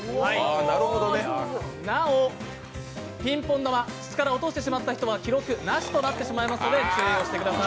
なお、ピンポン玉、筒から落としてしまった人は記録なしとなりますので気をつけてください。